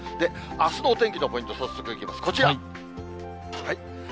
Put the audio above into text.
あすのお天気のポイント、早速いきます、こちら。